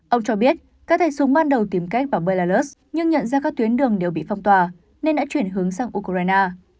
ông cho biết các tay súng ban đầu tìm cách vào belarus nhưng nhận ra các tuyến đường đều bị phong tỏa nên đã chuyển hướng sang ukraine